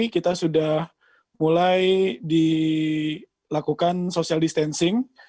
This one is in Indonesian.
kita sudah mulai dilakukan social distancing